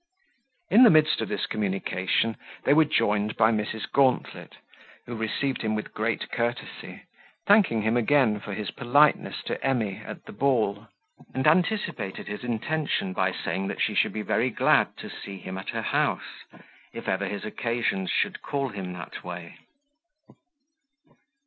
In the midst of this communication they were joined by Mrs. Gauntlet, who received him with great courtesy, thanking him again for his politeness to Emy at the ball, and anticipated his intention by saying that she should be very glad to see him at her house, if ever his occasions should call him that way.